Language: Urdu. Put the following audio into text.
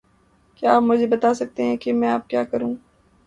کیا آپ مجھے بتا سکتے ہے کہ میں اب کیا کروں؟